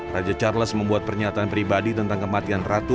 raja charles membuat pernyataan pribadi tentang kematian ratu